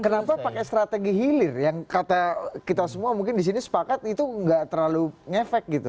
kenapa pakai strategi hilir yang kata kita semua mungkin di sini sepakat itu nggak terlalu ngefek gitu